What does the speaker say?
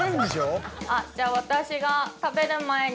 じゃあ私が食べる前に。